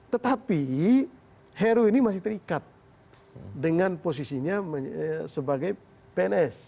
tetapi heru ini masih terikat dengan posisinya sebagai pns